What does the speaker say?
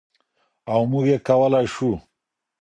او موږ يې کولای شو.